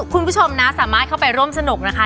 คุณผู้ชมนะสามารถเข้าไปร่วมสนุกนะคะ